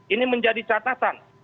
ini menjadi catatan